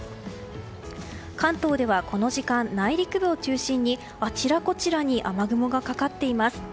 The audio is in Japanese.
関東ではこの時間、内陸部を中心にあちらこちらに雨雲がかかっています。